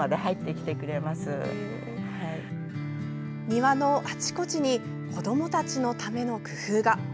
庭のあちこちに子どもたちのための工夫が。